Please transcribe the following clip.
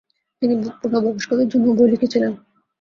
তিনি পূর্ণবয়স্কদের জন্যও বই লিখেছিলেন।